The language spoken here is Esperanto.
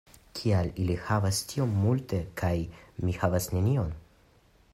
Kial li havas tiom multe kaj mi havas nenion?